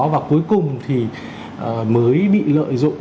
và cuối cùng thì mới bị lợi dụng